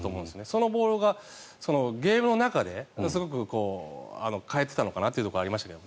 そのボールが、ゲームの中ですごく変えてたのかなというところありましたけど。